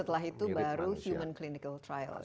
dan setelah itu baru human clinical trial ya